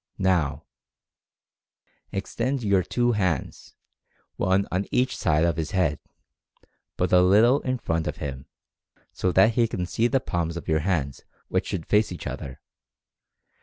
NOW !" Extend your two hands, one on each side of his head, but a little in front of him, so that he can see the palms of your hands which should face each other.